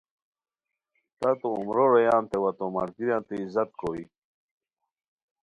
تتو عمرو رویانتے و ا تو ملگیریانتے عزت کوئے